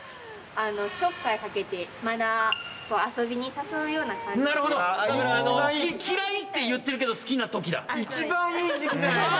ちょっかいかけてまだ遊びに誘うような感じ「嫌い！」って言ってるけど好きな時だ